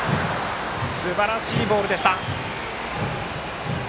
すばらしいボールでした。